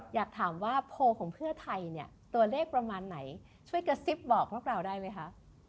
อยากถามว่าโพลของเพื่อไทยเนี่ยตัวเลขประมาณไหนช่วยกระซิบบอกพวกเราได้ไหมคะ